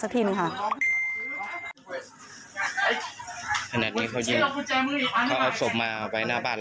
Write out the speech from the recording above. ปรับ